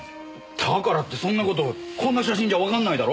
だからってそんな事こんな写真じゃわかんないだろ？